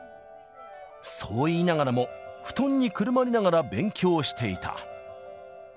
そう言いながらも、布団にくるまりながら勉強していた。